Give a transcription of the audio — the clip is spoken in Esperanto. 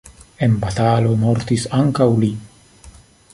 En batalo mortis ankaŭ li.